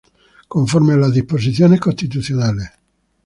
Conforme a las disposiciones constitucionales.